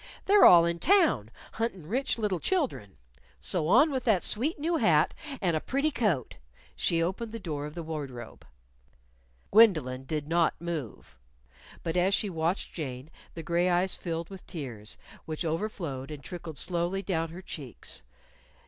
"They're all in town, huntin' rich little children. So on with the sweet new hat and a pretty coat!" She opened the door of the wardrobe. Gwendolyn did not move. But as she watched Jane the gray eyes filled with tears, which overflowed and trickled slowly down her cheeks.